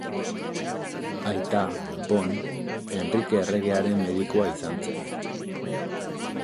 Aita Pauen Henrike erregearen medikua izan zen.